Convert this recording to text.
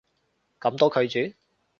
噉都拒絕？